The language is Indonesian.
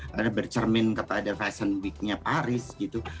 ada bercermin kepada fashion weeknya paris gitu